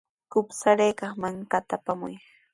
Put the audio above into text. Kutatraw kaykaq mankata apamuy.